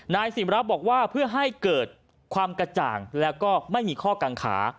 นายสิมรับบอกว่าเพื่อให้เกิดความกระจ่างแล้วก็ไม่มีข้อกังขา